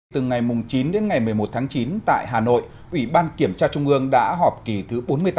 từ ngày chín đến ngày một mươi một tháng chín tại hà nội ủy ban kiểm tra trung ương đã họp kỳ thứ bốn mươi tám